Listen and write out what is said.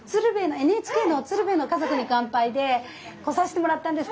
ＮＨＫの「鶴瓶の家族に乾杯」で来さしてもらったんです